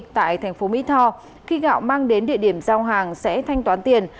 tại tp mỹ tho khi gạo mang đến địa điểm giao hàng sẽ thanh toán tiền